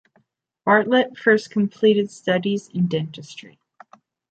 Bartlett first completed studies in dentistry.